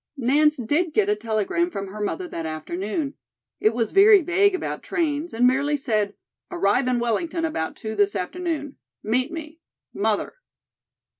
Nance did get a telegram from her mother that afternoon. It was very vague about trains and merely said: "Arrive in Wellington about two this afternoon. Meet me. Mother."